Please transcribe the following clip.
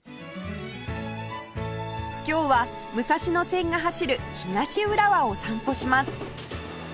今日は武蔵野線が走る東浦和を散歩します